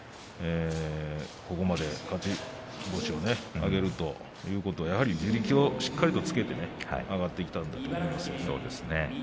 ここまで勝ち星を挙げるということはやはり自力をしっかりとつけて上がってきたんだと思います。